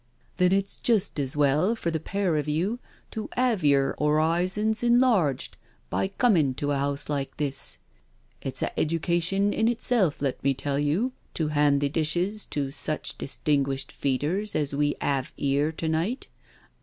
" Then it's just as well for the pair of you to 'ave yer horizons enlarged by coming to a house like this. It's a education in itself, let me tell you, to hand the dishes to such distinguished feeders as we 'ave 'ere to night.